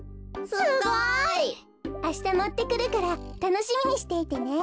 すごい！あしたもってくるからたのしみにしていてね。